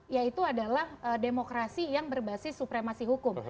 yaitu adalah demokrasi yang berbasis supremasi hukum